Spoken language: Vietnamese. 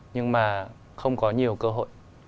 nhưng mà không có nhiều cơ hội